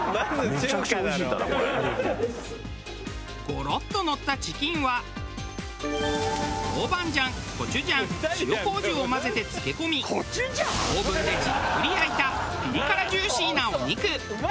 ゴロッとのったチキンは豆板醤コチュジャン塩麹を混ぜて漬け込みオーブンでじっくり焼いたピリ辛ジューシーなお肉。